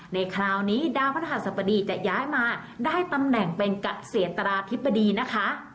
ในคราวนี้ดาวพระหัสบดีจะย้ายมาได้ตำแหน่งเป็นเกษียณตราธิบดีนะคะ